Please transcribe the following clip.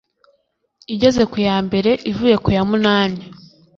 igeze kuyambere, ivuye kuyamunani